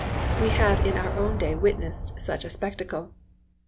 We have in our own day witnessed such a spectacle.